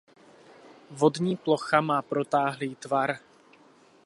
Vodní plocha má protáhlý tvar.